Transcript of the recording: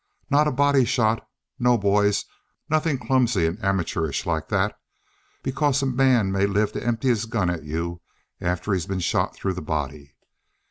Not a body shot. No, boys, nothing clumsy and amateurish like that, because a man may live to empty his gun at you after he's been shot through the body.